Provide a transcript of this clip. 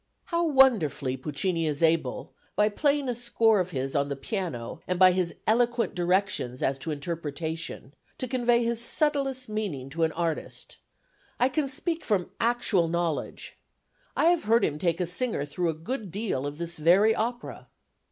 How wonderfully Puccini is able, by playing a score of his on the piano and by his eloquent directions as to interpretation, to convey his subtlest meaning to an artist, I can speak from actual knowledge. I have heard him take a singer through a good deal of this very opera.